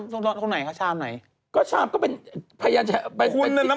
ไม่น่าจะมีใครชื่อช้อนกับส้ม